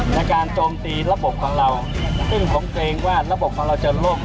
ในการโจมตีระบบของเราซึ่งผมเกรงว่าระบบของเราจะล่ม